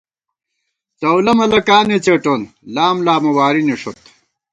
څَؤلَہ ملَکانے څېٹون ، لام لامہ واری نِݭوت